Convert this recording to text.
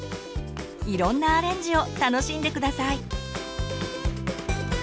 いろんなアレンジを楽しんで下さい。